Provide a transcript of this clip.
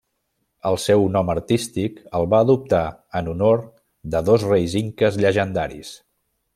El seu nom artístic el va adoptar en honor de dos reis inques llegendaris.